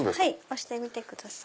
押してみてください。